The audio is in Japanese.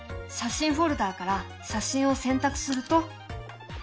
写真フォルダーから写真を選択すると。